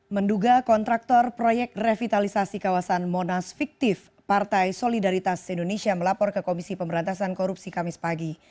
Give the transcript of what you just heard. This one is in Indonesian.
menduga kontraktor proyek revitalisasi kawasan monas fiktif partai solidaritas indonesia melapor ke komisi pemberantasan korupsi kamis pagi